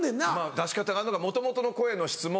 出し方があんのかもともとの声の質も。